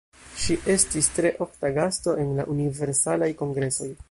Ŝi estis tre ofta gasto en la Universalaj Kongresoj.